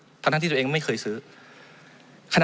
มันตรวจหาได้ระยะไกลตั้ง๗๐๐เมตรครับ